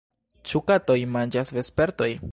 Ĉu katoj manĝas vespertojn?